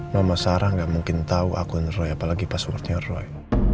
nama sarah nggak mungkin tahu akun roy apalagi passwordnya roy